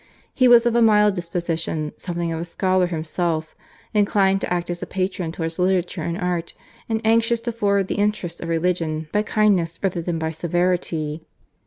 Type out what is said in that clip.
He was of a mild disposition, something of a scholar himself, inclined to act as a patron towards literature and art, and anxious to forward the interests of religion by kindness rather than by severity.